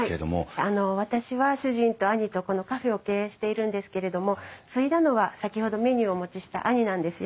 私は主人と兄とこのカフェを経営しているんですけれども継いだのは先ほどメニューをお持ちした兄なんですよ。